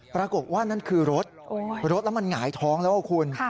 ปรากฏว่านั่นคือรถรถแล้วมันหงายท้องแล้วคุณ